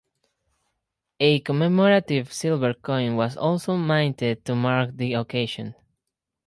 A commemorative silver coin was also minted to mark the occasion.